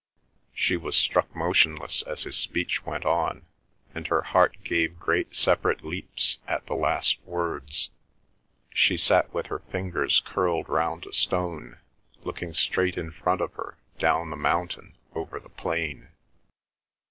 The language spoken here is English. She was struck motionless as his speech went on, and her heart gave great separate leaps at the last words. She sat with her fingers curled round a stone, looking straight in front of her down the mountain over the plain.